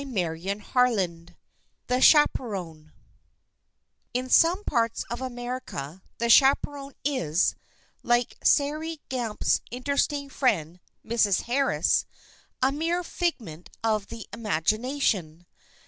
CHAPTER XIV THE CHAPERON IN some parts of America the chaperon is, like Sairey Gamp's interesting friend, "Mrs. Harris,"—a mere figment of the imagination.